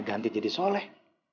ganti jadi soleh